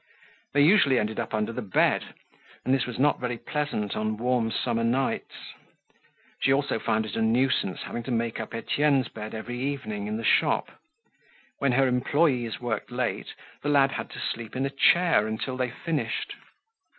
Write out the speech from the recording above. They usually ended up under the bed and this was not very pleasant on warm summer nights. She also found it a nuisance having to make up Etienne's bed every evening in the shop. When her employees worked late, the lad had to sleep in a chair until they finished.